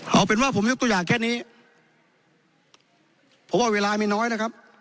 เอาเป็นว่าผมยกตัวอย่างแค่นี้เพราะว่าเวลาไม่น้อยนะครับ